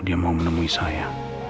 dia mau menemui saya